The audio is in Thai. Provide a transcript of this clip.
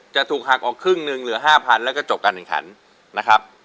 จะถูกหักออกครึ่งหนึ่งเหลือ๕๐๐แล้วก็จบการแข่งขันนะครับ